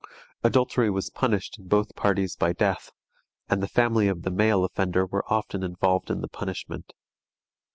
Adultery was punished in both parties by death, and the family of the male offender were often involved in the punishment.